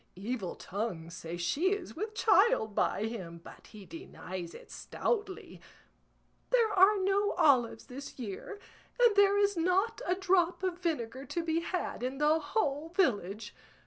Evil tongues say she is with child by him, but he denies it stoutly. There are no olives this year, and there is not a drop of vinegar to be had in the whole village.